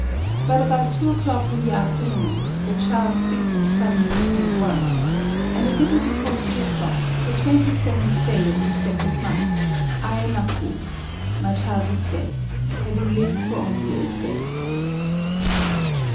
But, about two o'clock in the afternoon, the child's sickness suddenly became worse; and a little before three o'clock — the twenty seventh day of the second month — aenaku /^— my child was dead, having lived for only eight days.